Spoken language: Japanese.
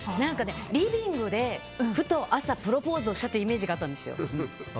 リビングでふと朝プロポーズをしたというイメージがあったんですよ。